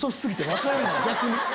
逆に。